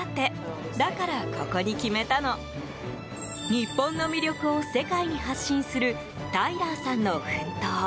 日本の魅力を世界に発信するタイラーさんの奮闘。